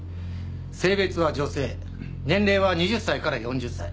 性別は女性年齢は２０歳から４０歳。